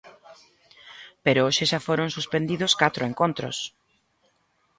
Pero hoxe xa foron suspendidos catro encontros.